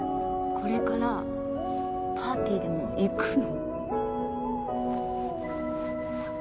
これからパーティーでも行くの？